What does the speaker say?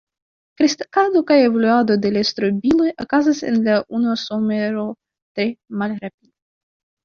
Kreskado kaj evoluado de la strobiloj okazas en la unua somero tre malrapide.